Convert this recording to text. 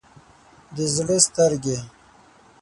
د زړه سترګې